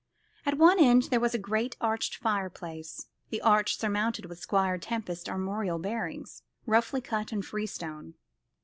At one end there was a great arched fireplace, the arch surmounted with Squire Tempest's armorial bearings, roughly cut in freestone.